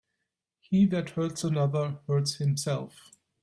He that hurts another, hurts himself.